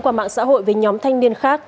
qua mạng xã hội với nhóm thanh niên khác